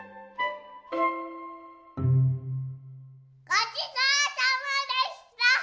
ごちそうさまでした！